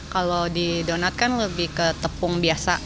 kalau di donat kan lebih ke tepung biasa